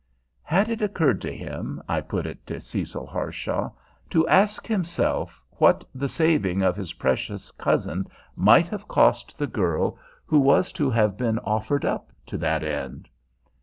Had it occurred to him, I put it to Cecil Harshaw, to ask himself what the saving of his precious cousin might have cost the girl who was to have been offered up to that end?